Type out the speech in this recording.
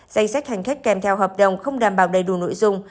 danh sách hành khách kèm theo hợp đồng không đảm bảo đầy đủ nội dung